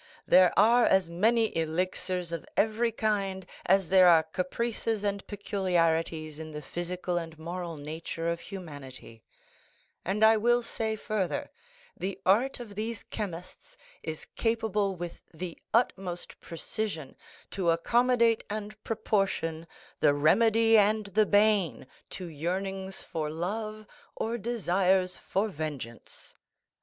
There are as many elixirs of every kind as there are caprices and peculiarities in the physical and moral nature of humanity; and I will say further—the art of these chemists is capable with the utmost precision to accommodate and proportion the remedy and the bane to yearnings for love or desires for vengeance."